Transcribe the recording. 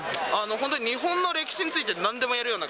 本当に日本の歴史についてなんでもやるような。